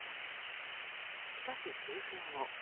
しかし、数分後。